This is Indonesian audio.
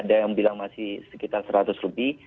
ada yang bilang masih sekitar seratus lebih